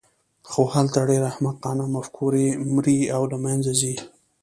خو هلته ډېرې احمقانه مفکورې مري او له منځه ځي.